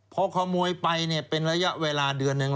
พอขโมยไปเป็นระยะเวลาเดือนหนึ่ง